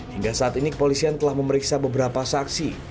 hingga saat ini kepolisian telah memeriksa beberapa saksi